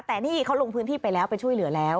แต่นี่เขาลงพื้นที่ไปแล้วไปช่วยเหลือแล้ว